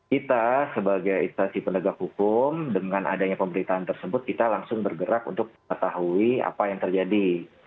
kita sebagai instansi penegak hukum dengan adanya pemberitaan tersebut kita langsung bergerak untuk mengetahui apa yang terjadi